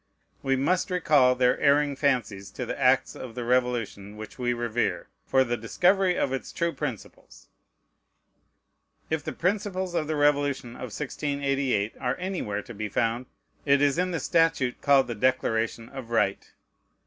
We must recall their erring fancies to the acts of the Revolution which we revere, for the discovery of its true principles. If the principles of the Revolution of 1688 are anywhere to be found, it is in the statute called the Declaration of Right.